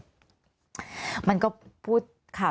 มันเป็นอาหารของพระราชา